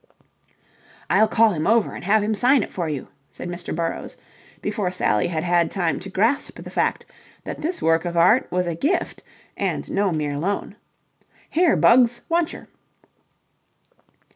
"I'll call him over and have him sign it for you," said Mr. Burrowes, before Sally had had time to grasp the fact that this work of art was a gift and no mere loan. "Here, Bugs wantcher."